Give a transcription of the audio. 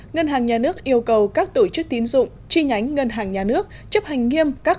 ngân hàng nhà nước yêu cầu các tổ chức tín dụng chi nhánh ngân hàng nhà nước chấp hành nghiêm các